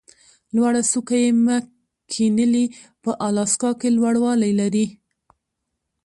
لوړه څوکه یې مک کینلي په الاسکا کې لوړوالی لري.